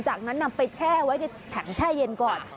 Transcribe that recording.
จากนั้นนำไปแช่ไว้ในถังแช่เย็นก่อน